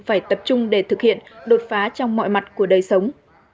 phải tập trung để thực hiện đột phá trong mọi mặt của đời sống